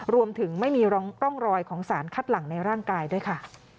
รวมถึงไม่มีร่องรอยของสารคัดหลังในร่างกายด้วยค่ะ